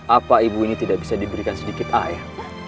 apa ibu ini tidak bisa diberikan sedikit ayah